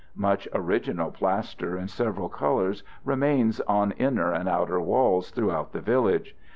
Much original plaster in several colors remains on inner and outer walls throughout the village.